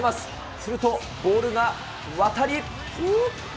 すると、ボールが渡り。